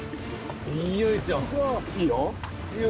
よいしょ。